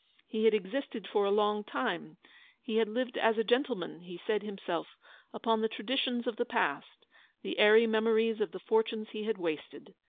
He had existed for a long time — lie had lived as a gentleman, he said himself — upon the traditions of the past, the airy memories of the fortunes he had wasted.